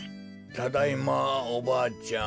ただいまおばあちゃん。